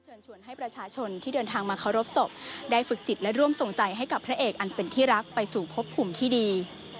ชวนให้ประชาชนที่เดินทางมาเคารพศพได้ฝึกจิตและร่วมส่งใจให้กับพระเอกอันเป็นที่รักไปสู่พบภูมิที่ดี